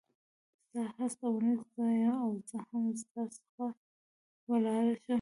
ستا هست او نیست زه یم او زه هم ستا څخه ولاړه شم.